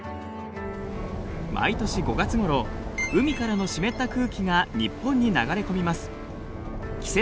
毎年５月ごろ海からの湿った空気が日本に流れ込みます。